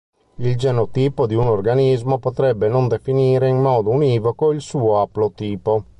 Il genotipo di un organismo potrebbe non definire in modo univoco il suo aplotipo.